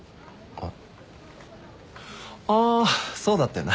ああそうだったよな。